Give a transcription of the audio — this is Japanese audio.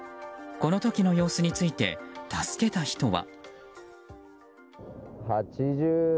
この時の様子について助けた人は。